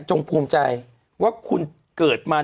ภูมิใจว่าคุณเกิดมา